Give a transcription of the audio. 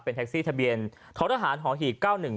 เป็นแท็กซี่ทะเบียนท้อทหารห่อหี่๙๑๓๘